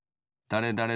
だれだれ